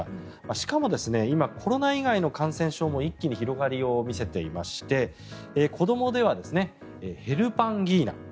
しかも今、コロナ以外の感染症も一気に広がりを見せていまして子どもでは、ヘルパンギーナ。